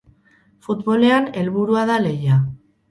Futbolean, helburua da lehia.